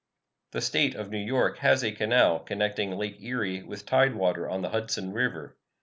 The State of New York has a canal connecting Lake Erie with tide water on the Hudson River.